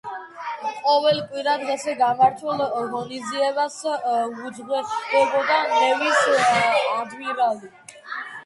ყოველ კვირა დღეს გამართულ ღონისძიებას უძღვებოდა ნევის ადმირალი.